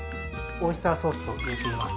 オイスターソースを入れています。